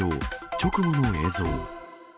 直後の映像。